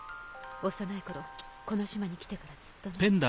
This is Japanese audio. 幼い頃この島に来てからずっとね。